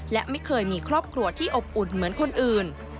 และไม่เคยมีครอบครัวที่อบอุ่นเหมือนคนอื่น